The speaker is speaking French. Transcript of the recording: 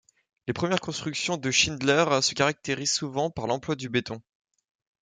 Les premières constructions de Schindler se caractérisent souvent par l’emploi du béton.